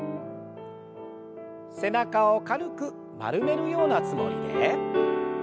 背中を軽く丸めるようなつもりで。